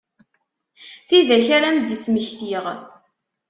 Tidak ara m-id-smektiɣ.